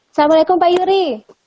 assalamualaikum pak yuri